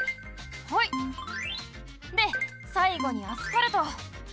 ホイ！でさいごにアスファルト。